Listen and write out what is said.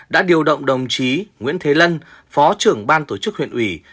đã điều động đồng chí nguyễn thế lân phó trưởng ban tổ chức huyện ủy